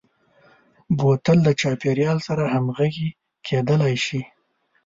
بوتل د چاپیریال سره همغږي کېدلای شي.